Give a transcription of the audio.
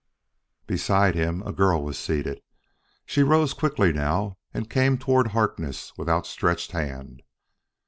Beside him a girl was seated. She rose quickly now and came toward Harkness with outstretched hand.